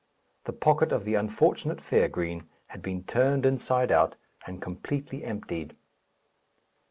The pocket of the unfortunate fair green had been turned inside out, and completely emptied.